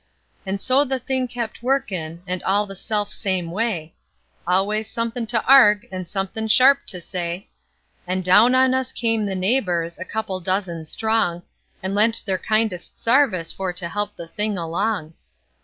And so the thing kept workin', and all the self same way; Always somethin' to arg'e, and somethin' sharp to say; And down on us came the neighbors, a couple dozen strong, And lent their kindest sarvice for to help the thing along.